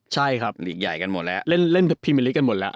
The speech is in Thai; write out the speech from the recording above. ใช่ครับเล่นพรีเมลิกกันหมดแล้ว